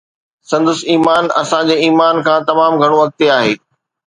سندس ايمان اسان جي ايمان کان تمام گهڻو اڳتي آهي